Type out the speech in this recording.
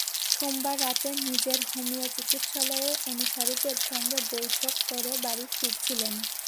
সোমবার রাতে নিজের হোমিও চিকিৎসালয়ে অনুসারীদের সঙ্গে বৈঠক করে বাড়ি ফিরছিলেন।